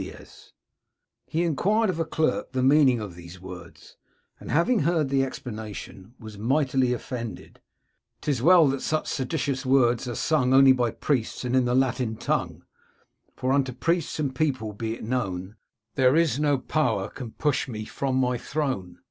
252 King Robert of Sicily He inquired of a clerk the meaning of these words ; and, having heard the explanation, was mightily offended :—* 'Tis well that such seditious words are sung Only by priests, and in the Latin tongue ; For, unto priests and people be it known, There is no power can push me from my throne.'